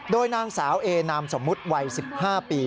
โดยนางสาวเอนามสมมุติวัย๑๕ปี